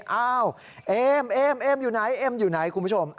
เอ้าเอมเอมเอมอยู่ไหนเอ็มอยู่ไหนคุณผู้ชม